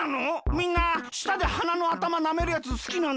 みんなしたではなのあたまなめるやつすきなんだ。